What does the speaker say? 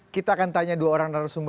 kita akan tanya dua orang narasumber